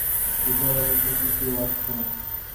নিসার আলির জন্যে কেউ আসছে না।